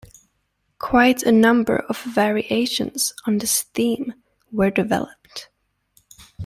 Quite a number of variations on this theme were developed.